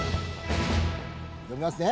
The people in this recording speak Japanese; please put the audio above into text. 読みますね。